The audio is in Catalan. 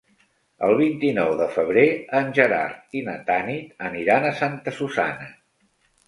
El vint-i-nou de febrer en Gerard i na Tanit aniran a Santa Susanna.